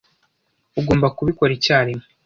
Ugomba kubikora icyarimwe.